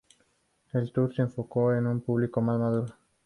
El tour se enfocó en un público más maduro.